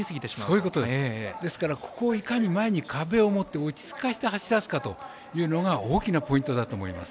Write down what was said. ですから、壁を持って落ち着かせて走らせるかというのが大きなポイントだと思います。